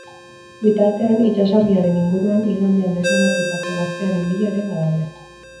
Bitartean, itsasargiaren inguruan igandean desagertutako gaztearen bila ere badaude.